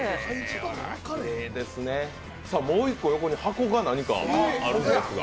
もう１個横に、箱が何かあるんですが。